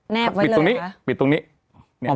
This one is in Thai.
แนบไว้เลยเหรอ